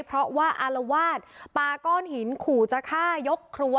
เพราะว่าอารวาสปาก้อนหินขู่จะฆ่ายกครัว